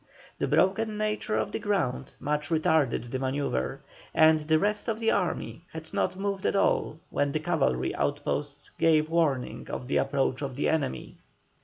The broken nature of the ground much retarded the manœuvre, and the rest of the army had not moved at all when the cavalry outposts gave warning of the approach of the enemy.